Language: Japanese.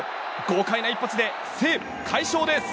豪快な一発で西武、快勝です！